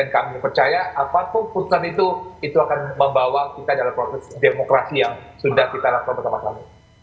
kami percaya apapun keputusan itu itu akan membawa kita dalam proses demokrasi yang sudah kita lapor pertama kali